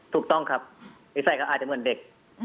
ถูกต้องครับนิสัยก็อาจจะเหมือนเด็ก